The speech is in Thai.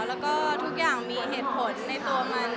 แล้วก็ทุกอย่างมีเหตุผลในตัวมัน